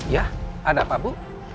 ya ada apa bu